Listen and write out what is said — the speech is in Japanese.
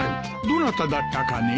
どなただったかね？